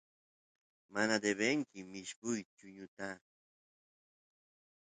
mana debenki mishpuyta chuñuta